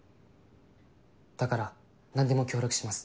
だから何でも協力します。